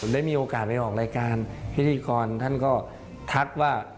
ได้มีโอกาสไปออกรายการพิธีกรท่านก็ทักว่า